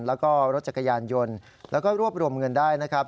แล้วก็รถจักรยานยนต์แล้วก็รวบรวมเงินได้นะครับ